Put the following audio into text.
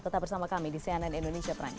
tetap bersama kami di cnn indonesia perang